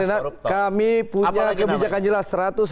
mas renat kami punya kebijakan jelas